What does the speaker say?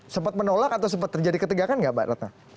sepat menolak atau sepat terjadi ketegakan nggak mbak ratna